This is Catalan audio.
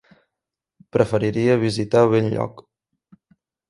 Preferiria visitar Benlloc.